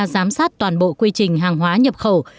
giám sát toàn bộ quy trình hàng hóa nhập khẩu